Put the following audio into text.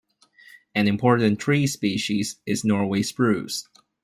An important tree species is Norway Spruce.